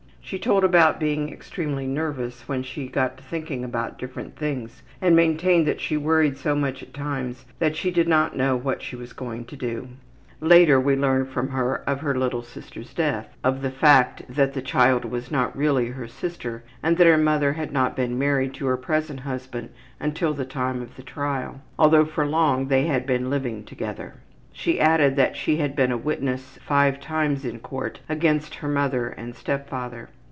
She told about being extremely nervous when she got to thinking about different things, and maintained that she worried so much at times that she did not know what she was doing. Later we learned from her of her little sister's death, of the fact that the child was not really her sister, and that her mother had not been married to her present husband until the time of the trial, although for long they had been living together. She added that she had been a witness five times in court against her mother and step father.